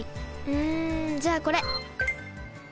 うんじゃあこれ。